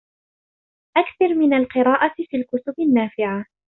أَكْثِرْ مِنَ الْقِرَاءةِ فِي الْكُتُبِ النَّافِعَةِ